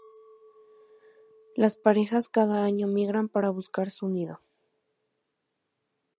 Las parejas cada año migran para buscar su nido.